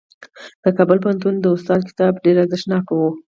د کابل پوهنتون د استاد کتاب ډېر ارزښتناک و.